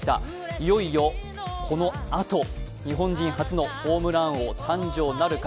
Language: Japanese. いよいよこのあと、日本人初のホームラン王誕生なるか。